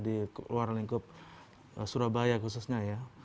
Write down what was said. di luar lingkup surabaya khususnya ya